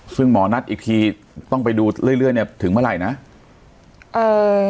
ซึ่งหมอนัดอีกทีต้องไปดูเรื่อยเรื่อยเนี่ยถึงเมื่อไหร่นะเอ่อ